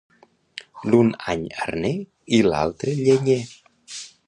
L'un any arner i l'altre llenyer.